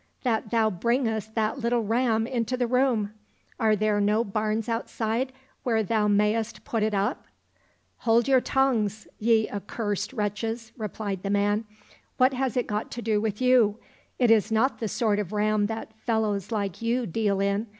that thou bringest that little ram into the room ? Are there no barns outside where thou mayst put it up ?"—" Hold your tongues, ye accursed wretches !" replied the man ;" what has it got to do with you } It is not the sort of ram that fellows like you deal in.